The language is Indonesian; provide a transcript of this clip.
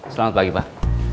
selamat pagi pak